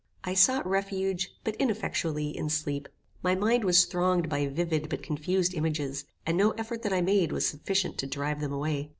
I sought refuge, but ineffectually, in sleep. My mind was thronged by vivid, but confused images, and no effort that I made was sufficient to drive them away.